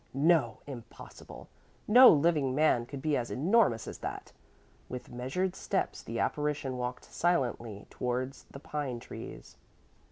No, impossible! No living man could be as enormous as that. With measured steps the apparition walked silently towards the pine trees.